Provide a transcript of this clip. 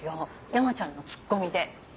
山ちゃんのツッコミで。